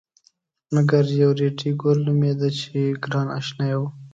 مګر یو ریډي ګل نومېده چې ګران اشنای و.